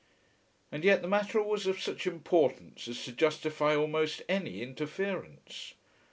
And yet the matter was of such importance as to justify almost any interference.